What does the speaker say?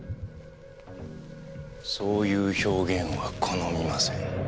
そういう表現は好みません。